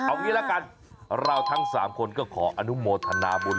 เอางี้ละกันเราทั้ง๓คนก็ขออนุโมทนาบุญ